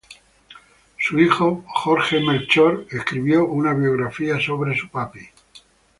Su hijo Ib Georg Melchior escribió una biografía sobre su padre.